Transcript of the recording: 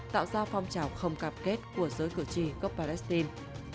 tạo ra phong trào không cam kết của giới cử tri gốc palestine